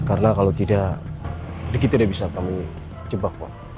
karena kalau tidak ricky tidak bisa kami jebak pak